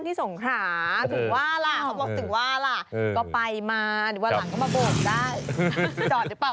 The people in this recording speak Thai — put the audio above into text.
ที่สงขาถือว่าเหลือ